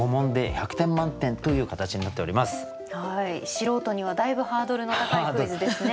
素人にはだいぶハードルの高いクイズですね。